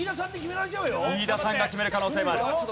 飯田さんが決める可能性もある。